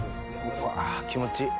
うわ気持ちいい。